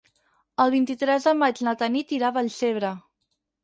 El vint-i-tres de maig na Tanit irà a Vallcebre.